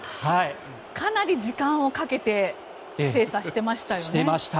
かなり時間をかけて精査していましたよね。